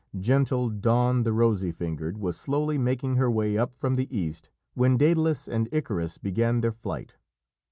Gentle Dawn, the rosy fingered, was slowly making her way up from the East when Dædalus and Icarus began their flight.